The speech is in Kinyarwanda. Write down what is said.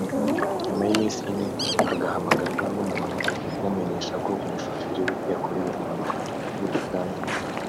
nyuma y’iminsi ine agahamagarwa n’umuntu amumenyesha ko umushoferi we yakoreye impanuka muri Uganda